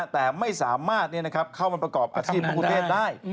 แต่ไม่สามารถเข้ามันประกอบอัศวินประกุธเทศได้